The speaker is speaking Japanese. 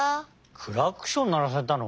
クラクションならされたの？